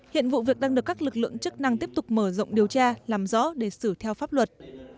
hiện vụ việc đang được các lực lượng chức năng tiếp tục mở rộng điều tra làm rõ để xử theo pháp luật